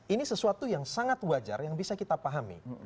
ini sesuatu yang sangat wajar yang bisa kita pahami